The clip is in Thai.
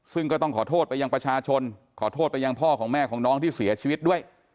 ซึ่งก็ต้องขอโทษไปยังประชาชนขอโทษไปยังพ่อของแม่ของน้องที่เสียชีวิตด้วย